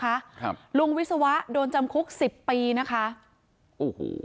ครับลุงวิศวะโดนจำคุกสิบปีนะคะโอ้โห